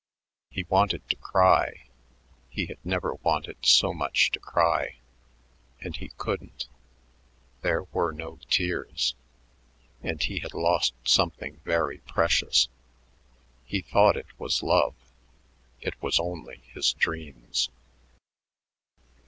He wanted to cry; he had never wanted so much to cry and he couldn't. There were no tears and he had lost something very precious. He thought it was love; it was only his dreams.